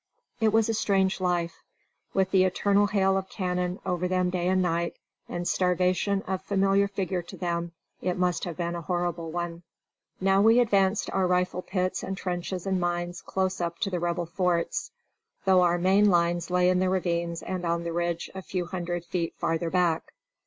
It was a strange life. With the eternal hail of cannon over them day and night, and starvation a familiar figure to them, it must have been a horrible one. Now we advanced our rifle pits and trenches and mines close up to the Rebel forts, though our main lines lay in the ravines and on the ridge a few hundred feet farther back.